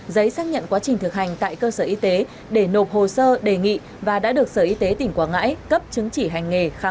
giấy xác nhận tài liệu giả của cơ quan y tế quảng nam